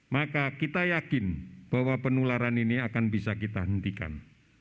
maka kita yakin bahwa penularan ini akan bisa kita hentikan